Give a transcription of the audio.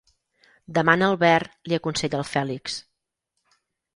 Demana el verd —li aconsella el Fèlix.